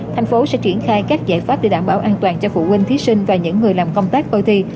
tp sẽ triển khai các giải pháp để đảm bảo an toàn cho phụ huynh thí sinh và những người làm công tác coi thi